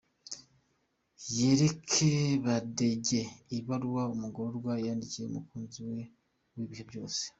Yereke badege Ibaruwa Umugororwa yandikiye umukunzi we wibihe byose